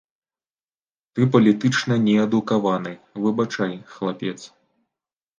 Ты палітычна неадукаваны, выбачай, хлапец.